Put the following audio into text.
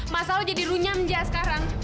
masalah lu jadi runyam aja sekarang